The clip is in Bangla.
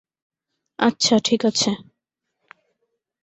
আচ্ছা, ঠিক আছে।